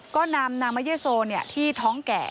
ก็นำนางมะเย่โซที่ท้องแก่